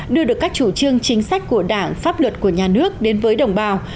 đưa được các chủ trương chính sách của đảng pháp luật của nhà nước đến với đồng bào